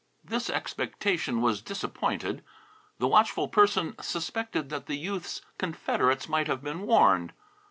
This expectation was disappointed. The watchful person suspected that the youth's confederates might have been warned.